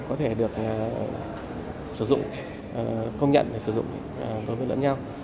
có thể được sử dụng công nhận để sử dụng đối với lẫn nhau